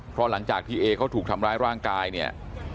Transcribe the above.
เพราะหลังจากที่เอเขาถูกทำร้ายร่างกายเนี่ย